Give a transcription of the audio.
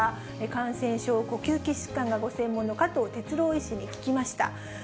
感染症、呼吸器疾患がご専門の加藤哲朗医師に聞きました。